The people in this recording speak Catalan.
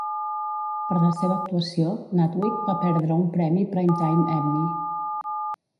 Per la seva actuació, Natwick va perdre un Premi Primetime Emmy.